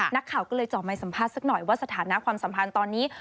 นักข่าวก็เลยเจาะไม้สัมภาษณ์สักหน่อยว่าสถานะความสัมพันธ์ตอนนี้